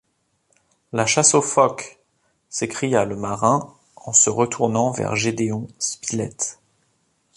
La chasse aux phoques! s’écria le marin en se retournant vers Gédéon Spilett.